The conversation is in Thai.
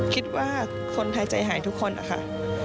คิดว่าคนไทยใจหายทุกคนนะคะ